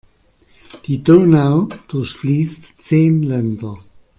Die Donau durchfließt zehn Länder.